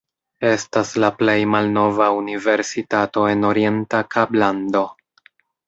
Estas la plej malnova universitato en Orienta Kablando.